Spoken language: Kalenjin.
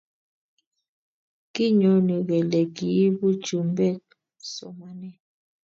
kinyoni kele kiibuu chumbek somanee